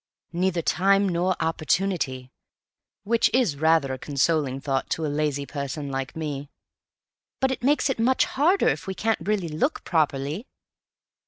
"Neither time nor opportunity. Which is rather a consoling thought to a lazy person like me." "But it makes it much harder, if we can't really look properly."